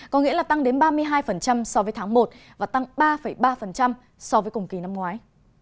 có nghĩa là tăng đến ba mươi hai so với tháng một và tăng ba ba so với cùng kỳ năm ngoái